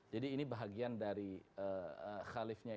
jadi ini bahagian dari khalif